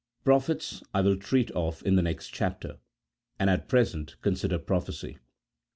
Prophets I will treat of in the next chapter, and at pre sent consider prophecy.